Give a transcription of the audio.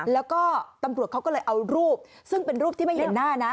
แล้วก็ตำรวจเขาก็เลยเอารูปซึ่งเป็นรูปที่ไม่เห็นหน้านะ